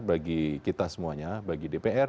bagi kita semuanya bagi dpr